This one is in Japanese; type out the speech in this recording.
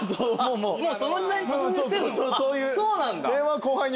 もうその時代に突入してんの？